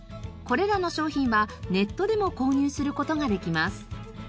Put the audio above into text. これらの商品はネットでも購入する事ができます。